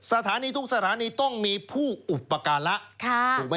สถานีทุกสถานีต้องมีผู้อุปการะ